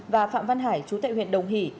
và phạm văn hải chú tại huyện đồng hỷ